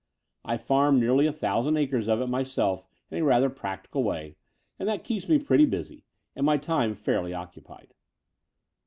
I farm nearly a thousand acres of it myself in a rather practical way; and that keeps me pretty busy, and my time fairly occupied.